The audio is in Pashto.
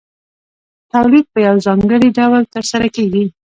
تولید په یو ځانګړي ډول ترسره کېږي